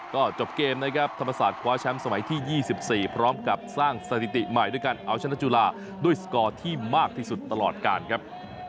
ก็จบเกมนะครับธรรมศาสตร์คว้าแชมป์สมัยที่๒๔พร้อมกับสร้างสถิติใหม่ด้วยการเอาชนะจุฬาด้วยสกอร์ที่มากที่สุดตลอดการครับ